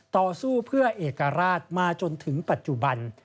ต่อสู้เพื่อเอกราชมาจนถึงปัจจุบัน